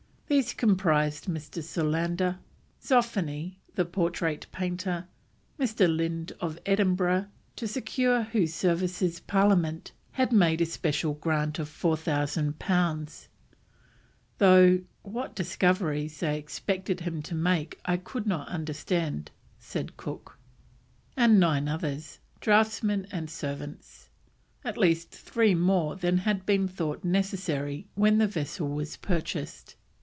These comprised Dr. Solander, Zoffani, the portrait painter, Dr. Lynd of Edinburgh, to secure whose services Parliament had made a special grant of 4000 pounds (though "what discoveries they expected him to make I could not understand," says Cook), and nine others, draughtsmen and servants; at least three more than had been thought necessary when the vessel was purchased.